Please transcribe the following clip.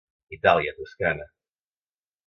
Itàlia, Toscana.